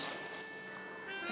emang dari mana sih boy